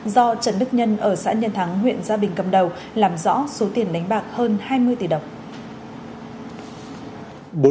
do trần đức nhân ở xã nhân thắng huyện gia bình cầm đầu làm rõ số tiền đánh bạc hơn hai mươi tỷ đồng